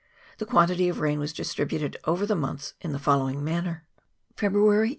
The quantity of rain was distributed over the months in the following manner : CHAP. IX.